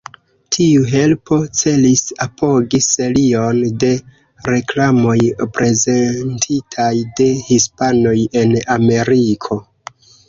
Tiu helpo celis apogi serion de reklamoj prezentitaj de hispanoj en Ameriko.